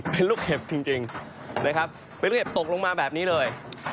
เป็นลูกเห็บจริงนะครับไปเรียบตกลงมาแบบนี้เลย